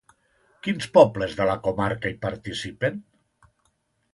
Quins pobles de la comarca hi participen?